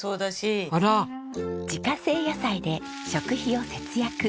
自家製野菜で食費を節約。